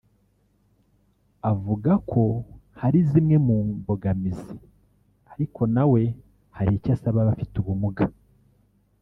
avuga ko hari zimwe mu mbogamizi ariko na we hari icyo asaba abafite ubumuga